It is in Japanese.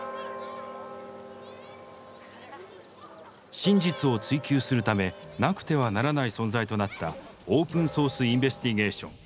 真実を追求するためなくてはならない存在となったオープンソース・インベスティゲーション。